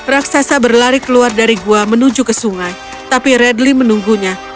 raksasa berlari keluar dari gua menuju ke sungai tapi radly menunggunya